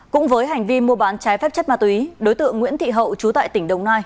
cũng với hành vi mua bán trái phép chất ma túy đối tượng nguyễn thị hậu chú tại tỉnh đồng nai